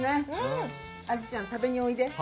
あずちゃん、食べにおいで。